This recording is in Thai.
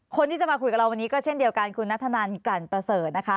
คนที่จะมาคุยกับเราวันนี้ก็เช่นเดียวกันคุณนัทธนันกลั่นประเสริฐนะคะ